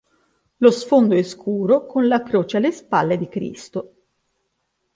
Lo sfondo è scuro, con la croce alle spalle di Cristo.